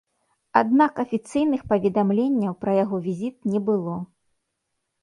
Аднак афіцыйных паведамленняў пра яго візіт не было.